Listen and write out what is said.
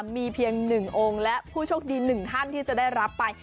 มีเพียง๑องค์และผู้โชคดี๑ท่านที่จะได้รับไป